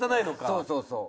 そうそうそう。